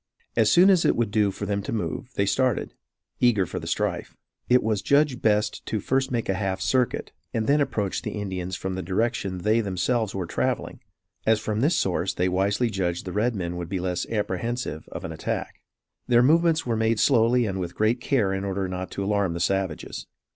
As soon as it would do for them to move, they started, eager for the strife. It was judged best first to make a half circuit and then approach the Indians from the direction they themselves were travelling, as from this source, they wisely judged the red men would be less apprehensive of an attack. Their movements were made slowly and with great care in order not to alarm the savages.